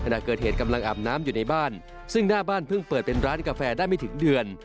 ขณะเกิดเหตุกำลังอาบน้ำอยู่ในบ้านซึ่งหน้าบ้านเพิ่งเปิดเป็นร้านกาแฟได้ไม่ถึงเดือน